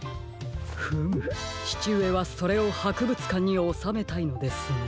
フムちちうえはそれをはくぶつかんにおさめたいんですね。